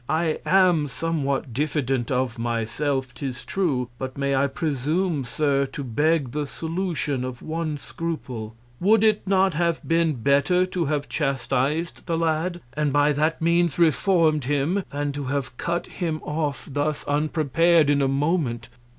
I am somewhat diffident of myself, 'tis true; but may I presume, Sir, to beg the Solution of one Scruple? Would it not have been better to have chastiz'd the Lad, and by that Means reform'd him, than to have cut him off thus unprepar'd in a Moment.